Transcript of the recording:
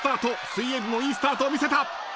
水泳部もいいスタートを見せた。